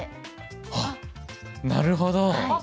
あっなるほど！